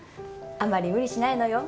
あまり無理しないのよ。